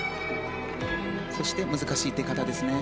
そして、難しい出方でしたね。